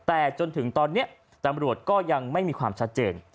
แต่จนถึงตอนนี้ตำรวจก็ยังไม่มีความชัดเจน